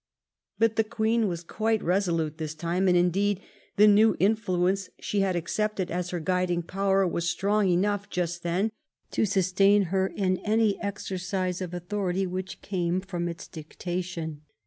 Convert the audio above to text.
But the Queen was quite resolute this time, and, indeed, the new influence she had accepted as her guiding power was strong enough just then to sustain her in any exercise of authority which came from its dicta 1 tion.